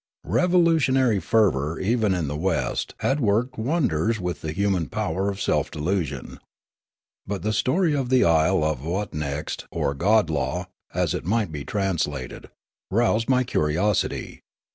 Revolutionar}^ fervour even in the West had worked wonders with the human power of self delusion. But the story of the isle of Wotnekst or Godlaw, as it might be trans lated, roused ni}^ curiosity.